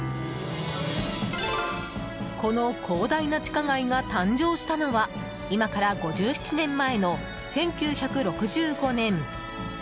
この広大な地下街が誕生したのは今から５７年前の１９６５年。